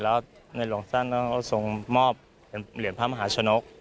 แล้วในหลวงสั้นต้องทรงมอบเหรียญพระมหาชนก